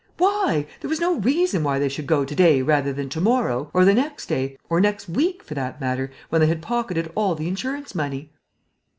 Why? There was no reason why they should go to day rather than to morrow, or the next day, or next week, for that matter, when they had pocketed all the insurance money!"